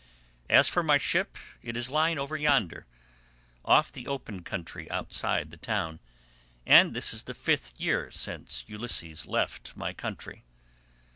As for my ship it is lying over yonder, off the open country outside the town, and this is the fifth year since Ulysses left my country.